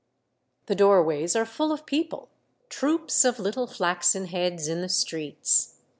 The doorways are full of people, troops of little flaxen heads in the streets.